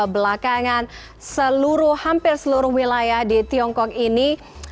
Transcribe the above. belakangan hampir seluruh wilayah di tiongkok ini